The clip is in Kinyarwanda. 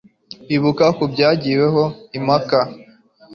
ibuka ku byagiweho impaka.